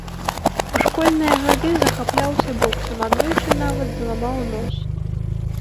У школьныя гады захапляўся боксам, аднойчы нават зламаў нос.